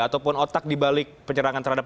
ataupun otak dibalik penyerangan terhadap